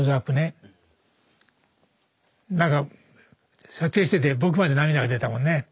何か撮影してて僕まで涙が出たもんね。